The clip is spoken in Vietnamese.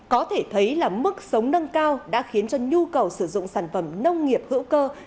có thể thấy là mức sống nâng cao đã khiến cho nhu cầu sử dụng sản phẩm nông nghiệp hữu cơ